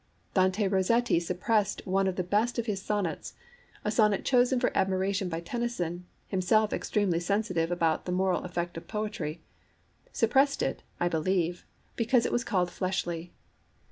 Dante Rossetti suppressed one of the best of his sonnets, a sonnet chosen for admiration by Tennyson, himself extremely sensitive about the moral effect of poetry; suppressed it, I believe, because it was called fleshly.